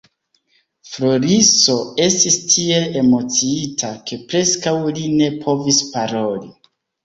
Floriso estis tiel emociita, ke preskaŭ li ne povis paroli.